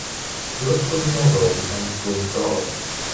Look for the novel Behind closed doors